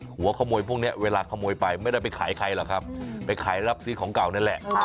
หัวขโมยพวกนี้เวลาขโมยไปไม่ได้ไปขายใครหรอกครับไปขายรับซื้อของเก่านั่นแหละ